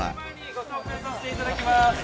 ご紹介させていただきます。